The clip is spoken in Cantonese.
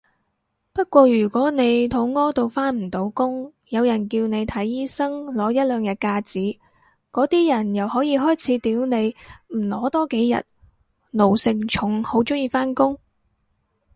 不過如果你肚痾到返唔到工，有人叫你睇醫生攞一兩日假紙，嗰啲人又可以開始屌你唔攞多幾日，奴性重好鍾意返工？